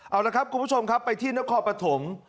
เอาละครับคุณผู้ชมครับไปที่นครปฐม